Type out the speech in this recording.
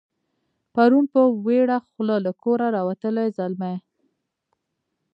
پرون په ویړه خوله له کوره راوتلی زلمی